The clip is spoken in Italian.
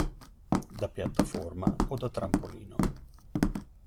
Da piattaforma o da trampolino.